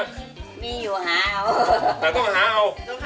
มีอยู่หาเอาแต่ต้องหาเอา